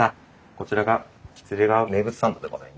こちらが喜連川名物サンドでございます。